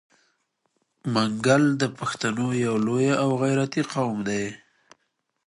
منګل د پښتنو یو لوی او غیرتي قوم دی.